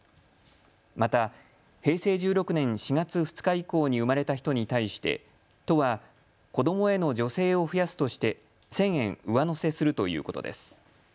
また平成１６年４月２日以降に生まれた人に対して都は子どもへの助成を増やすとして１０００円上乗せするということです。